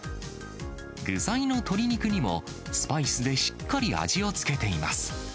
具材の鶏肉にも、スパイスでしっかり味をつけています。